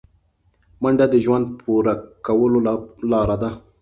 منډه د ژوند پوره کولو لاره ده